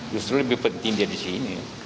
justru lebih penting dia di sini